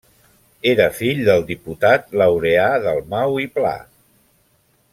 Era fill del diputat Laureà Dalmau i Pla.